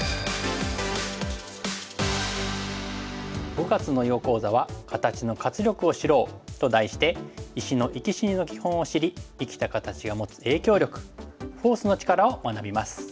５月の囲碁講座は「形の活力を知ろう」と題して石の生き死にの基本を知り生きた形が持つ影響力フォースの力を学びます。